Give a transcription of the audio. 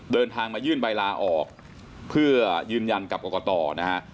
เดินทางมายื่นใบลาออกเพื่อยืนยันกับกรกตนะฮะ